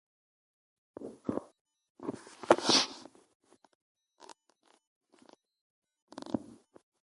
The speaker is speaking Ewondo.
Tə o abam Mə nə abɔd, və da mə nə abui.